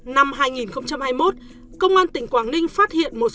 năm hai nghìn hai mươi một công an tỉnh quảng ninh phát hiện một số sai phạm